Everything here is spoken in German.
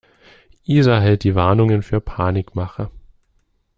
Isa hält die Warnungen für Panikmache.